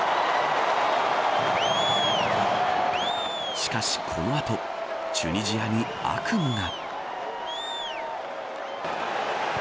しかし、この後チュニジアに悪夢が。